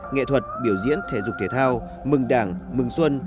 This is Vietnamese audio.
nghệ thuật biểu diễn thể dục thể thao mừng đảng mừng xuân